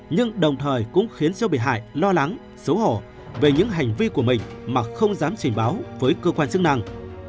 nhưng đồng thời cũng khiến cho bị hại lo lắng xấu hổ về những hành vi của mình mà không dám trình báo với cơ quan chức năng